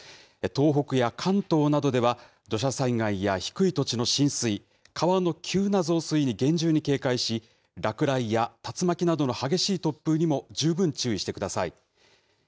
東北や関東などでは、土砂災害や低い土地の浸水、川の急な増水に厳重に警戒し、落雷や竜巻などの激しい突風にも十分注意してください。